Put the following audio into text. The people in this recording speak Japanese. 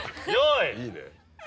いいね。